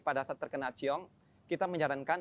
pada saat terkena ciong kita menyarankan